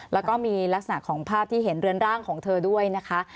แล้วก็มีลักษณะของภาพที่เห็นเรือนร่างของเธอด้วยนะคะ